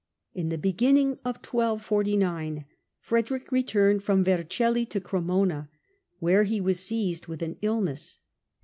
In the beginning of 1249 Frederick returned from Vercelli to Cremona, where he was seized with an ill ness.